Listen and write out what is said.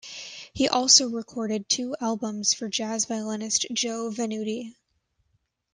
He also recorded two albums for jazz violinist Joe Venuti.